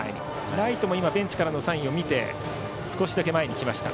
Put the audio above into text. ライトもベンチからのサインを見て少しだけ前に来ました。